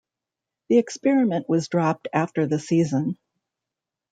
The experiment was dropped after the season.